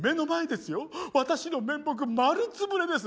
私の面目丸潰れです。